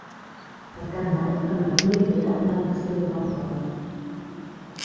Per Cap d'Any en Martí i en Pere van a Castelló de la Plana.